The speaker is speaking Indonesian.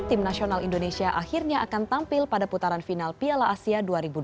tim nasional indonesia akhirnya akan tampil pada putaran final piala asia dua ribu delapan belas